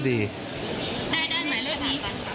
ได้แบบจังหวะเหมาะพอดี